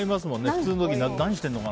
普通の時何しているのか。